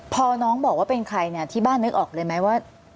พอน้องบอกว่าเป็นใครเนี่ยที่บ้านนึกออกเลยไหมว่า